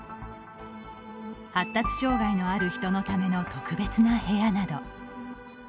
発達障害のある人のための特別な部屋など。